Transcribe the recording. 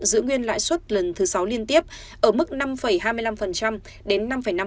giữ nguyên lãi suất lần thứ sáu liên tiếp ở mức năm hai mươi năm đến năm năm